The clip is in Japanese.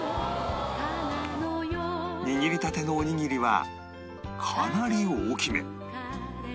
握りたてのおにぎりはかなり大きめ